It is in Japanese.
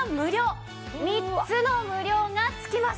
３つの無料がつきます！